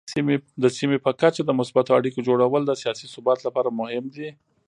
د سیمې په کچه د مثبتو اړیکو جوړول د سیاسي ثبات لپاره مهم دي.